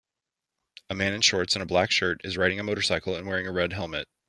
A man in shorts and a black shirt is riding a motorcycle and wearing a red helmet.